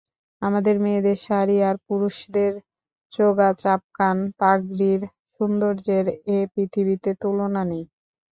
আমাদেরে মেয়েদের শাড়ী আর পুরুষদের চোগা-চাপকান-পাগড়ির সৌন্দর্যের এ পৃথিবীতে তুলনা নেই।